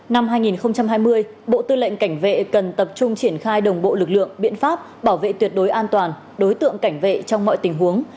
năm hai nghìn hai mươi bộ tư lệnh cảnh vệ cần tập trung triển khai đồng bộ lực lượng biện pháp bảo vệ tuyệt đối an toàn đối tượng cảnh vệ trong mọi tình huống